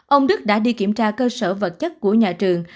ông đức đã đi kiểm tra cơ sở vật chất của nhà trường